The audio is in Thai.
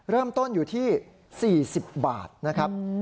เริ่มต้นอยู่ที่๔๐บาทนะครับ